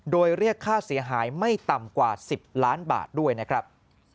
โดยเรียกค่าเสียหายไม่ต่ำกว่า๑๐ล้านบาทด้วยนะครับ